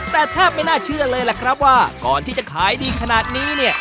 แต่แทบไม่น่าเชื่อเลยล่ะครับว่าก่อนที่จะขายดีขนาดนี้เนี่ย